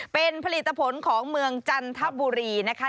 เป็นผลิตผลของเมืองจันทบุรีนะคะ